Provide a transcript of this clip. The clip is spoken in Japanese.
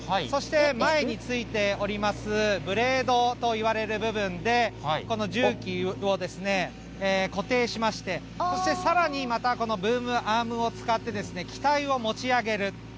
そして前についておりますブレードといわれる部分で、この重機を固定しまして、そしてさらにまた、このブームアームを使って機体を持ち上げる。